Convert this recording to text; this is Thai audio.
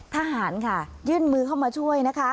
ทหารค่ะยื่นมือเข้ามาช่วยนะคะ